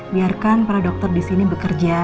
biarkan para dokter disini bekerja